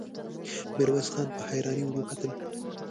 ميرويس خان په حيرانۍ ور وکتل.